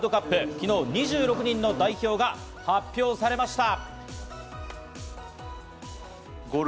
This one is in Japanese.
昨日２６人の代表が発表されました。